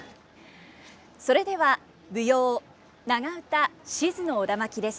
それでは舞踊長唄「賤の苧環」です。